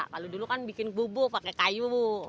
kalau dulu kan bikin bubuk pakai kayu